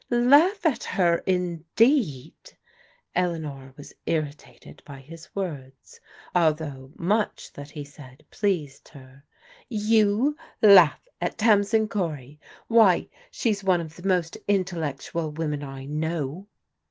" Laugh at her, indeed !" Eleanor was irritated by his words, although much that he said pleased her. " You laugh at Tamsin Cory! Why, she's one of the most intellectual women I know."